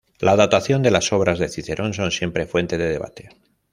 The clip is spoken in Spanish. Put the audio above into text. La datación de las obras de Cicerón son siempre fuente de debate.